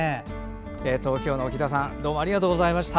東京の木田さんありがとうございました。